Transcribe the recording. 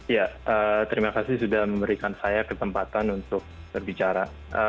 ya terima kasih sudah memberikan saya kesempatan untuk berbicara